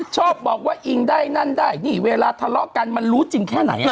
ชอบบอกว่าอิงได้นั่นได้นี่เวลาทะเลาะกันมันรู้จริงแค่ไหน